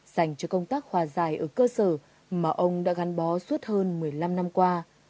dành cho công tác hòa giải ở cơ sở mà ông đã gắn bó suốt hơn một mươi năm năm qua